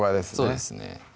そうですね